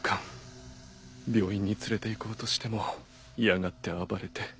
病院に連れていこうとしても嫌がって暴れて。